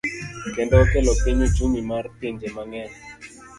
Kendo okelo piny uchumi mar pinje mang'eny.